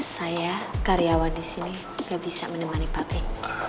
saya karyawan disini gak bisa menemani pak bay